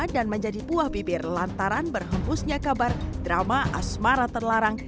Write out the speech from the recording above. dan menjadi buah bibir lantaran berhembusnya kabar drama asmara terlarang